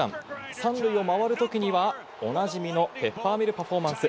３塁を回る時にはお馴染みのペッパーミル・パフォーマンス。